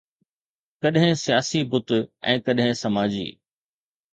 ڪڏهن سياسي بت ۽ ڪڏهن سماجي